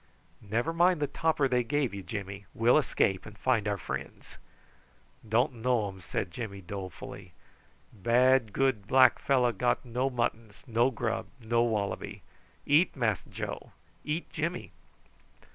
"Never mind the topper they gave you, Jimmy. We'll escape and find our friends." "Don't know um," said Jimmy dolefully. "Bad good black fellow got no muttons no grub no wallaby. Eat Mass Joe eat Jimmy."